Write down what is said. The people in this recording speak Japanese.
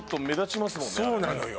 そうなのよ。